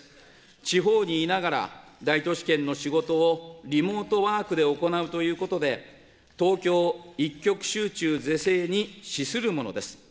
地方にいながら、大都市圏の仕事をリモートワークで行うということで、東京一極集中是正に資するものです。